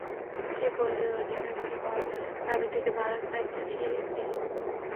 সেই কোহিনুরের অধিকার ফিরে পাওয়ার দাবি থেকে ভারত প্রায় পিছিয়েই এল।